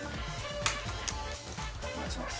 お願いします